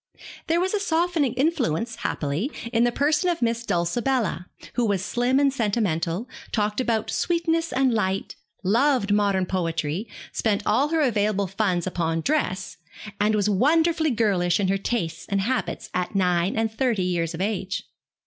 There was a softening influence, happily, in the person of Miss Dulcibella, who was slim and sentimental, talked about sweetness and light, loved modern poetry, spent all her available funds upon dress, and was wonderfully girlish in her tastes and habits at nine and thirty years of age.